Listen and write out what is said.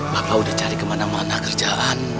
bapak udah cari kemana mana kerjaan